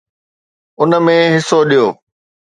ان ۾ حصو ڏيو.